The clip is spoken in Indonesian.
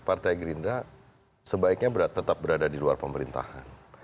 partai gerindra sebaiknya tetap berada di luar pemerintahan